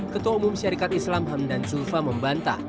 ketua umum syarikat islam hamdan zulfa membantah